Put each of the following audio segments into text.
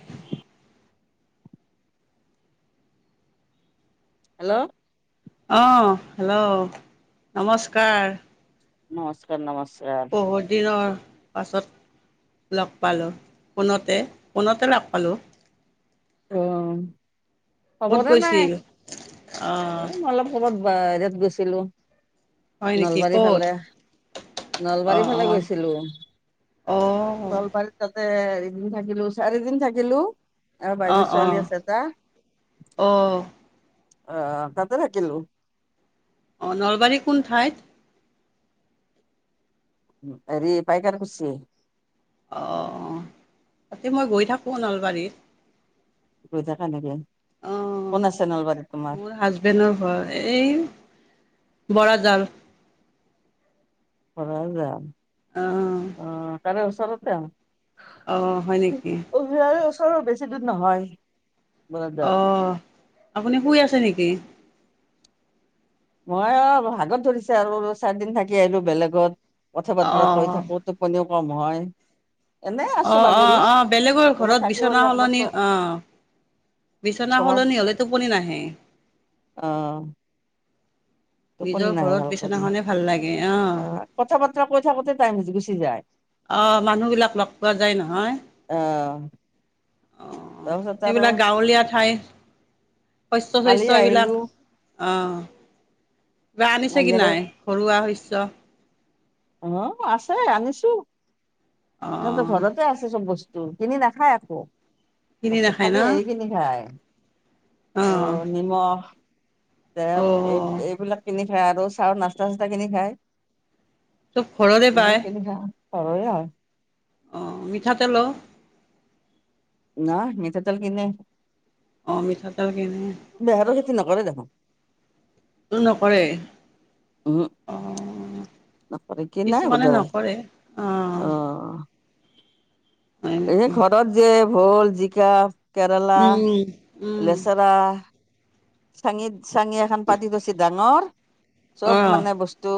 [inaudible] Hello! অ', hello! নমস্কাৰ। নমস্কাৰ, নমস্কাৰ। বহুত দিনৰ পাছত লগ পালোঁ, ফোনতে, ফোনতে লগ পালোঁ। অ', ক'ত খবৰে নাই, গৈছিল অঁ মই অলপ ক'ৰবাত বাহিৰত গৈছিলোঁ, হয় নেকি নলবাৰীৰ ক'ত ফালে। অঁ নলবাৰীৰ ফালে অঁ গৈছিলোঁ। অঁ নলবাৰী তাতে, এদিন থাকিলোঁ, চাৰিদিন থাকিলোঁ। আমাৰ বাইদেউৰ অঁ ছোৱালী অঁ আছে এটা, অঁ আ, তাতে থাকিলোঁ। অ', নলবাৰীৰ কোন ঠাইত? হেৰি পাইকাৰকুছি। অ', তাতে, মই গৈ থাকোঁ নলবাৰীত। গৈ থাকা নেকি? কোন আছে নলবাৰীত তোমাৰ? ফ্ৰেণ্ডৰ ঘৰ এই বৰাজাল। [unintelligible] অ', অঁ তাৰে ওচৰতে অ', হয় নেকি? ইয়াৰে ওচৰৰ বেছি দূৰ নহয়। বৰদাত অ', আপুনি শুই আছে নেকি? ময়ো আৰু ভাগৰ ধৰিছে আৰু চাৰিদিন থাকি আহিলোঁ বেলেগত, কথা বতৰা কৈ অঁ থাকোঁ। টোপনিও কম হয়। এনে আছো অ', বাগৰি অ', অ', বেলেগৰ বোলো ঘৰত বিছনা থাকিবলৈ একবাৰ সলনি তো অ'। বিছনা তোমাক সলনি হ'লে টোপনি নাহে। অ'। নিজৰ ভাল ঘৰত কৰি বিছনাখনে ভাল লাগে অ'। আহ কথা বতৰা কৈ থাকোতে টাইম গো-গুচি যায়। অ', মানুহবিলাক লগ পোৱা যায় নহয়। অ'। অ', এইবিলাক গাঁৱলীয়া ঠাই। শস্য, কালি চইস্য আহিলো এইবিলাক অ', কিবা আনিছে আহি কি আৰু নাই? ঘৰুৱা শস্য। অ', আছে আনিছোঁ, অ সিহঁতৰ ঘৰতে আছে চব বচ স্তু, কিনি নাখায় একো কিনি শস্য, নাখায় ন খালি হেৰিখিনি খায়। অ', নিমখ। অ তেল এই, এইবিলাক কিনি খায়, আৰু চাহৰ নাস্তা, চাস্তা কিনি খায়। চব ঘৰৰে পায় এইবিলাক কিনি খায় আৰু ঘৰৰে হয়। অ', মিঠাতেলো? নাই, মিঠাতেল কিনে। অ', মিঠাতেল কিনে। [unintelligible] খেতি নকৰে দেখোন। সেইটো নকৰে উহু অহ। নকৰে কিনাই কিছুমানে বোধহয় নকৰে অহ। অ এই ঘৰত যে ভোল, জিকা, কেৰেলা, উম, উম। লেচেৰা। চাঙিত চাঙি এখন পাতি থৈছে ডাঙৰ চব অ', মানে বস স্তু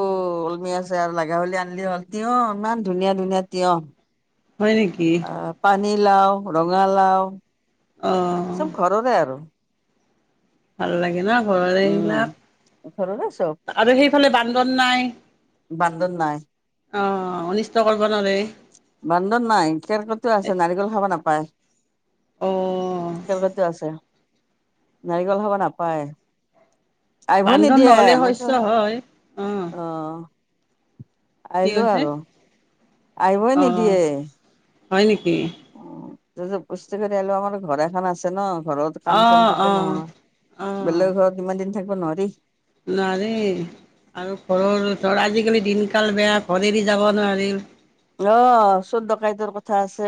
ওলমি আছে আৰু লগা হ'লে আনিলে হ'ল তিয়হ ইমান ধুনীয়া ধুনীয়া তিয়হ। হয় নেকি? আ পানী লাও, ৰঙালাও। অহ। চব ঘৰৰে আৰু। ভাল লাগে ন' ঘৰৰে উম ঘৰৰে চব এইবিলাক আৰু সেইফালে বান্দৰ নাই। বান্দৰ নাই। অহ, অনিষ্ট কৰিব নোৱাৰে। বান্দৰ নাই, কেৰ্কেটুৱা আছে নাৰিকল খাব নাপায়। অ', কেৰ্কেটুৱা আছে। নাৰিকল খাব নাপায়, আহিব বান্দৰ নিদিয়ে নহ'লে শস্য মই হয়। অ', অহ। কি আহিলো কৈছে? আৰু আহিবই অ', নিদিয়ে। হয় নেকি? অহ, জোৰ জবৰদস্তি কৰি আহিলো আমাৰ ঘৰ এখন আছে ন' ঘৰত কাম চাম অ', থাকে অ'। ন' অ', বেলেগৰ ঘৰত ইমান দিন থাকিব নোৱাৰি। নোৱাৰি আৰু ঘৰৰ ওচৰ আজিকালি দিনকাল বেয়া, ঘৰ এৰি যাব নোৱাৰি। অ', চুৰ দকাইতৰ ক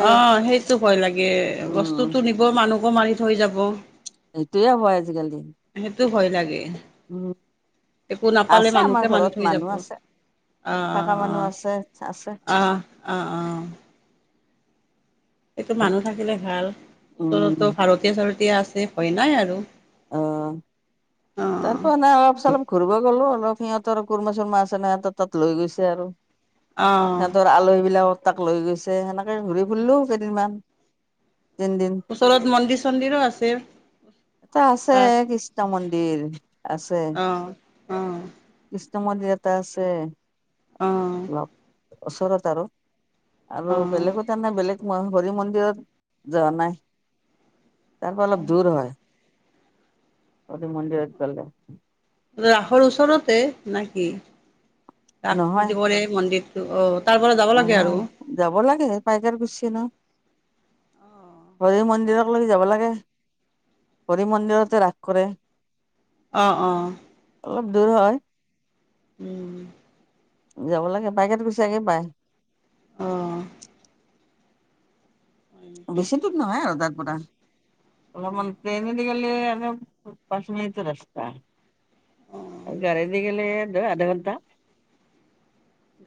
অ', সেইটো ভয় লাগে উম বস্তুটো নিব, মানুহকো মাৰি থৈ যাব। সেইটোয়ে হয় আজিকালি সেটো ভয় লাগে। উম একো নাপালে আছে আমাৰ মানুহে মাৰি ঘৰত থৈ যাব। মানুহ আছে থকা মানুহ আহ, আছে আছে অ', অ', আহ, আহ, অ'। সেইটো মানুহ থাকিলে ভাল ওচৰতো উম ভাৰতীয়া চাৰতীয়া আছে, ভয় নাই আৰু। অ'। অ'। তাৰ পৰা এনে অলপ চলপ ঘূৰিব গ'লো, অলপ সিহঁতৰ কুৰ্মা চুৰমা আছে না, সিহঁতৰ তাত লৈ গৈছে আৰু। অ'। আলহীবিলাকৰ তাক লৈ গৈছে, সেনেকে ঘূৰি ফুৰলো কেইদিনমান, তিনিদিন। ওচৰত মন্দিৰ চন্দিৰো আছে। টা আছে, তাত কৃষ্ণ মন্দিৰ আছে। অঁ অঁ কৃষ্ণ মন্দিৰ এটা আছে, অঁ অলপ। ওচৰত আৰু, আৰু অঁ বেলেগত তাম না বেলেগ, হৰি মন্দিৰত যোৱা নাই, তাৰ পৰা অলপ দূৰ হয়। আজি মন্দিৰত গ'লো। ৰাসৰ ওচৰতে, নে কি? নহয় ৰাসটোজি কৰে মন্দিৰটো, অ'। তাৰ পৰা যাব লাগে আৰু নহয় যাব লাগে, পাইকাৰ কোছে না। অঁ হৰি মন্দিৰক লেগি যাবা লাগে। হৰি মন্দিৰতে ৰাস কৰে। অ', অ'। অলপ দূৰ হয়। উম। যাব লাগে। পাইকাৰকুছি আগে পাই। অঁ' হয় নেকি বেছি দূৰ নহয় আৰু তাৰ পৰা। অলপমান ট্ৰেইনেদিয়ে- প্লেলেনত আমাৰ পাঁচ মিনিটৰ ৰাস্তা, গাড়ীদি গেলে- ৰ' আধা ঘণ্টা।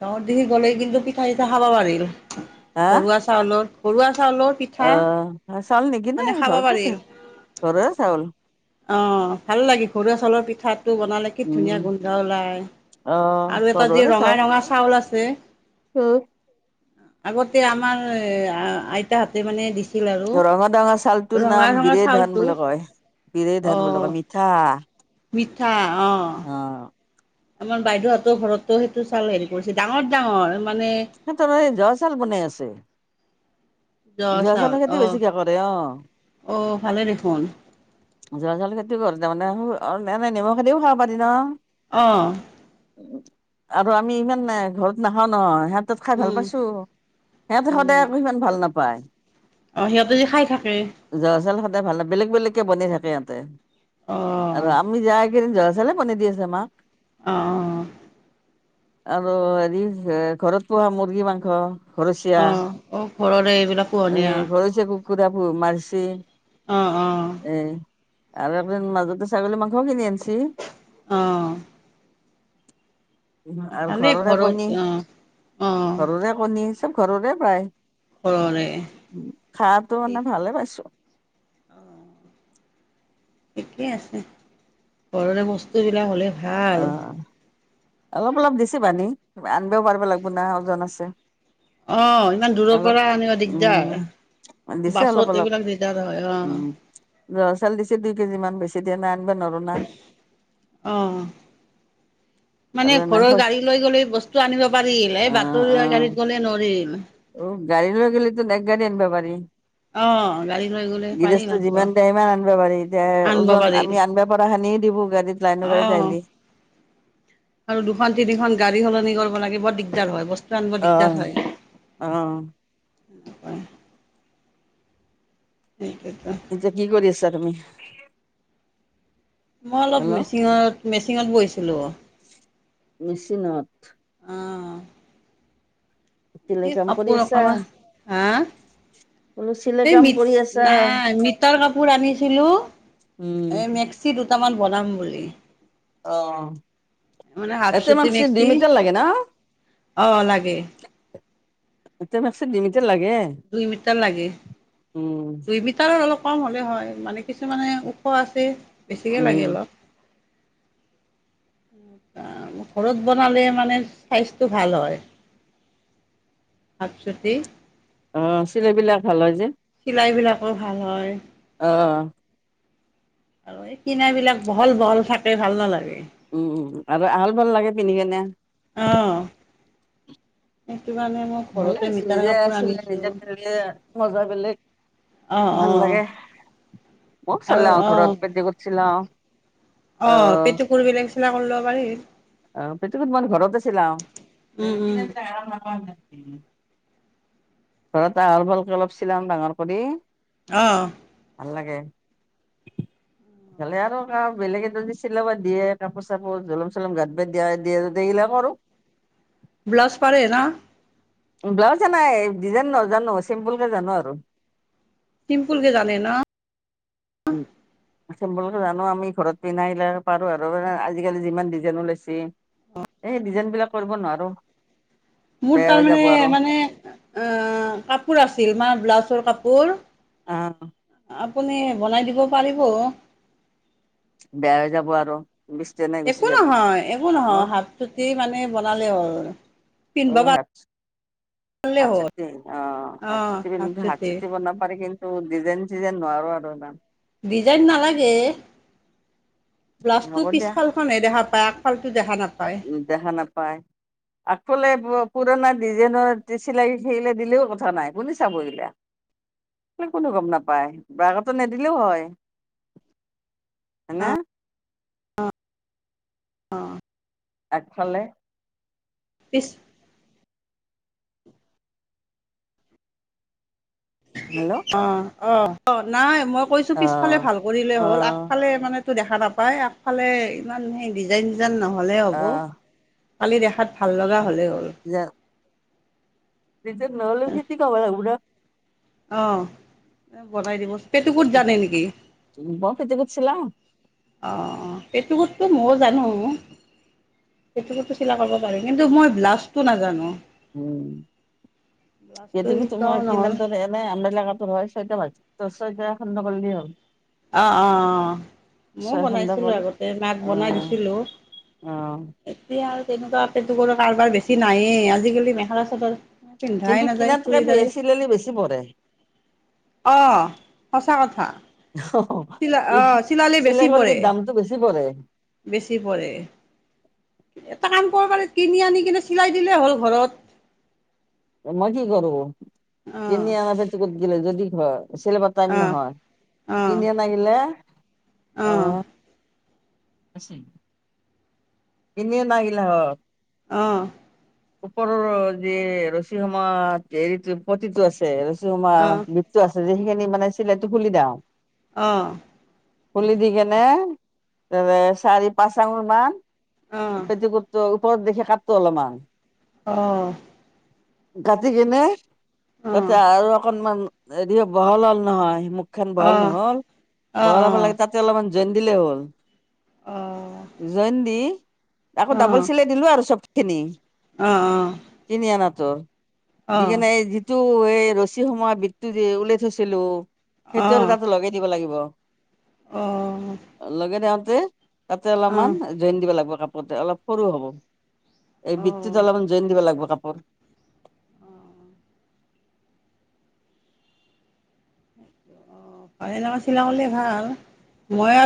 গাঁৱত দিগি গ'লেই কিন্তু পিঠা চিঠা খাবা পাৰিল। ঘৰুৱা চাউলৰ, ঘৰুৱা চাউলৰ পিঠ- অঁ' চাউল নিকিনে, ঘৰতে পাৰিল আছে, ঘৰৰে চাউল। অঁ ভাল লাগে। ঘৰুৱা চাউলৰ পিঠাটো বনালে কি ধুনীয়া উম গোন্ধ ওলায়। অ আৰু এটা যি ৰঙা, ৰঙা চাউল আছে। হুম' আগতে আমাৰ আইতাহতে মানে দিছ- ৰঙা ৰঙা চাউলটোৰ নাম বিৰেই ধান চাউলটো বুলি কয়, বিৰেই অ ধান বুলি কয়, মিঠা। মিঠা অঁ'। অঁ' আমাৰ বাইদেউহঁতৰ ঘৰতো সেইটো চাউল হেৰি কৰিছে, ডাঙৰ ডাঙৰ মানে- মোক ক সেই জৱা চাউল গোনাই আছে। জ জৱা চাউল চাউলৰ খেতি অ বেছিকে কৰে অঁ'। অ' ভালে দেখোন। জহা চাউলৰ খেতি কৰো তাৰমানে, এনে নেমখেদিও খাব পাৰি ন'। অঁ' আৰু আমি ইমান নাই ঘৰত নাখাওঁ নহয়, সেত- তত খাই ভাল উম পাইছোঁ। সেহঁতে সদায় আকৌ সিমান ভাল নাপায়। অঁ, সিহঁতে যে খাই থাকে। জহা চাউল সদায় ভাল নাপা, বেলেগ বেলেগকে বনাই থাকে সিহঁতে। অ আৰু আমি যাই কেদিন জহা- জলপানি দি আছে আমাক। অঁ অঁ' আৰু হেৰি ঘৰত পোহা মুৰ্গী মাংস ঘৰচীয়া। অহ ঘৰৰে এইবিলাক- পোহনীয়া অঁ' ঘৰচীয়া কুকুৰাবোৰ মাৰিছে। অঁ অঁ' এঁ আৰু আপোনাৰ মাজতে ছাগলী মাংসও কিনি আনছি। অঁ' আৰু ভালেই ঘৰৰে ঘৰত কণী, অ অ ঘৰৰে কণী চব ঘৰৰে পায়। ঘৰৰে। খাৱাটো মানে ভালে পাইছো। অঁ' ঠিকেই আছে। ঘৰৰে বস্তুবিলাক হ'লে- ভাল অঁ অলপ অলপ দিছে বানি, আনিবাও পাৰবা লাগব না ওজন আছে। অঁ ইমান দূৰৰ অলপ পৰা আনিবা দিগদাৰ, উম দিছে অলপ বাছত অলপ এইবিলাক দিগদাৰ হয়, অঁ'। উম জহা চাউল দিছে দুই কেজি মান বেছি দিয়া নাই আনিবা নৰু না। অঁ' আৰু মানে এনে ঘৰৰ শচ গাড়ী লৈ গ'লে বস্তু আনিব পাৰিল, এই অ অ বাতৰুৱা গাড়ীত গ'লে নোৱাৰিম। অ' গাড়ী লৈ গ'লেটোন এক গাড়ী আইনবা পাৰি। অ গাড়ী লৈ গ'লে পাৰিল গিৰষ্টই আনিব যিমান দেয় সিমান আইনবা পাৰি এতিয়া আনিব ওজন পাৰিল আমি আইনবা পাৰাখিনি অ দিব। [inaudible] আৰু দুখন তিনিখন গাড়ী সলনি কৰিব লাগে বৰ দিগদাৰ হয় ব অ অ কি কৈছা এতিয়া কি কৰি আছা তুমি? মই অলপ হেল্ল' মেচিঙত মেচিঙত বৈছিলো। মেচিনত অ চিলাই এই কাম কৰি কাপোৰ আছা অকমান হা বোলো চিলাই এই কাম মিট কৰি আছা নাই মিটাৰ কাপোৰ আনিছিলো উম এই মেক্সি দুটামান বনাম বুলি অ মানে হাফ এটা চুটি মেক্সিত দুই মেক্সি মিটাৰ লাগে ন। অ লাগে এটা মেক্সিত দুই মিটাৰ লাগে দুই মিটাৰ লাগে। উম দুই মিটাৰৰ অলপ কম হ'লে হয় মানে কিছুমানে ওখ আছে। বেছিয়ে উম লাগে অলপ। ঘৰত বনালে মানে চাইজটো ভাল হয়। হাত চুটি অ চিলাইবিলাক ভাল হয় যে। চিলাইবিলাকো ভাল হয়। অ অ এই কিনা বিলাক বহল বহল থাকে ভাল নালাগে উম আৰু আহল বহল লাগে পিন্ধি কেনে। অ সেইটো কাৰণে মই ভালে ঘৰতে হৈছে মিটাৰ নিজে কাপোৰ চিলালে আনিছোঁ নিজে পিন্ধিলে মজা বেলেগ। অ অ মও চিলাও ঘৰত পেটিকোট চিলাও অ' পেটিকোট বিলাক চিলা কৰি লব পাৰি। অ' পেটিকোট মই ঘৰতে চিলাও। উম ধৰি উম লক তাৰ আহল বহলকে অলপ চিলাম ডাঙৰ কৰি অ ভাল লাগে আৰু কা বেলেগে যদি চিলাব দিয়ে কাপোৰ চাপোৰ জলম চলম গাঁ ঠি দিয়া দিয়া যদি এইবিলাকো কৰো ব্লাউজ পাৰে ন ব্লাউজ এ নাই ডিজাইন নাজানো চিম্পুলকে জানো আৰু। চিম্পুলকে জানে ন উম চিম্পুলকে জানো আমি ঘৰত পিন্ধাবিলাকে পাৰো আৰু আজিকালি যিমান ডিজাইন ওলাইছে এই ডিজাইন বিলাক কৰিব নোৱাৰো। মোৰ বেয়া তাৰ হৈ মানে যাব আৰু মানে আ কাপোৰ আছিল মান ব্লাউজৰ কাপোৰ অ' আপুনি বনাই দিব পাৰিব। বেয়া হৈ যাব আৰু। [inaudible] একো নহয় একো নহয় মই হাতচুটি মানে বনালে হ'ল। পিন্ধিব অ', হাতচুটি। পাৰিলে হ'ল হাতচুটি অ' হাত চুটি হাত চুটি বনাব পাৰে কি কিন্তু ডিজাইন-চিজাইন নোৱাৰো আৰু ইমান। ডিজাইন নালাগে, ব্লাউজ টো হ'ব দিয়া পিছফাল নেদেখা পাই আফালতো দেখা নাপায়। দেখা নাপাই। আফালে পুৰণা ডিজাইনৰ চিলাই দিলেও কথা নাই খুনিছা চাবহিলা। কোনো গম নাপায় বগতো নিদিলেও হয়। হয়নে। অ' অ'। আগফালে পিছ অ' অ' অ' নাই মই কৈছো পিছফালে ভাল কৰিলে অ হ'ল, আগফালে মানে টো দেখা নাপায়, আগফালে ইমান সেই ডিজাইন-চিজাইন নহ'লে হ'ব। আহ খালি দেখাত ভাল ল'গা হলেই হ'ল। পিছে নহলে কি কি কব লাগিব পো অ' বনাই দিব, পেটিকোট জানে নেকি? মই পেটিকোট চিলাও। অ' পেটিকোট টো ময়ও জানো। পেটিকোট চিলাই কৰিব পাৰিম, কিন্তু মই ব্লাউজটো নাজানো। উম', ব্লাউজটো পেটিকোট শিকাও মই তোমাৰ নহ'ল দৰে মানে অম্বেলা কাপোৰ হয় চয়তা বাজি চয়তা খণ্ড কৰিলেই হ'ল। অ', অ', অ', ময়ও ছয় খণ্ড বনাইছিলোঁ কৰি আগতে মাক বনাই অ', দিছিলোঁ। অ',। এতিয়া আৰু তেনেকুৱা পেটিকোটৰ কাৰোবাৰ বেছি নাই, আজিকালি মেখেলা-চাদৰ কিন্তু পিন্ধাই নাযায় কিনাতকে চুৰিদাৰে চিলালি বেছি পৰে। অ', সঁচা কথা। চিলা অ চিলালে বেছি চিলাই কৰিলে পৰে দামটো বেছি পৰে। বেছি পৰে। এটা কাম কৰিব পাৰি, কিনি আনি কিনে চিলাই দিলেই হ'ল ঘৰত। মই কি কৰো, অ কিনি আনা পেটিকোট গিলা যদি দীঘল হয়, চলাব টাইম অ নহয় অ কিনি আনা গিলা অ', কিনি আনা গিলা হ' অ',। উপৰৰ যে ৰচি সমা হেৰিটো পতিটো আছে ৰছী খোপা, বিত্তটো আছে যে সেইখিনি মানে চিলাইটো খুলি দিওঁ। অ',। খুলি দি কেনে চাৰি পাঁচ আঙুল মান অ অ পেটিকোটটো ওপৰত দেখি কাটো অলপমান। অ',। কাটি কিনে, তাতে আৰু অকনমান এদও বহল হ'ল নহয়, মুখখন অ অ অ বহল নহ'ল, বহল হ'ব লাগে তাত অলপমান জইন দিলে হ'ল। অ জইন দি আকৌ ডাবল চিলাই দিলো আৰু চবখিনি। অ, অ,। [inaudible] অ', টো এই ৰছী সময়ত বৃতটো দি উলাই থৈছিলো সেই টো আৰু অ', তাত লগাই দিব লাগিব। অ [unintelligible] তাতে অলপমান অ', জইন দিব লাগিব, কাপোৰতে অলপ সৰু হ'ব। এই অ', বৃতটো অ', অলপমান জইন দিব লাগিব কাপোৰ। [unintelligible] চিলাবলে ভাল মই আৰু